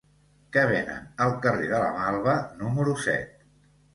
Què venen al carrer de la Malva número set?